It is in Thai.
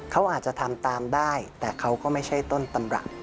เขาอาจจะทำตามได้แต่เขาก็ไม่ใช่ต้นตำรับ